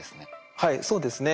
はいそうですね。